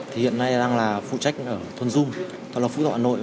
thì hiện nay đang là phụ trách ở thôn dung tòa lộc phúc thọ hà nội